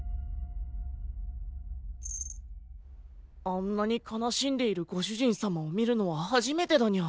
あんなに悲しんでいるご主人様を見るのは初めてだニャ。